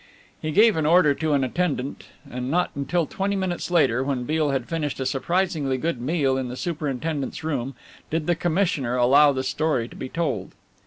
He gave an order to an attendant and not until twenty minutes later, when Beale had finished a surprisingly good meal in the superintendent's room, did the commissioner allow the story to be told.